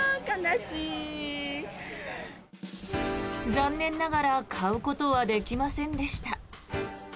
残念ながら買うことはできませんでした。